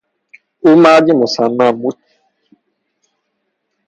او مردی مصمم بود.